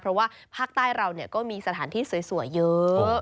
เพราะว่าภาคใต้เราก็มีสถานที่สวยเยอะ